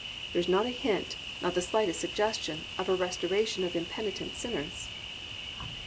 There is not a hint, not the slightest suggestion, of a restoration of impenitent sinners. 4.